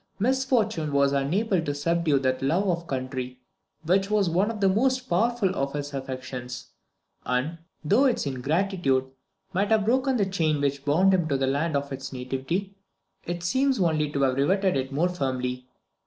Misfortune was unable to subdue that love of country which was one of the most powerful of his affections; and, though its ingratitude might have broken the chain which bound him to the land of his nativity, it seems only to have rivetted it more firmly.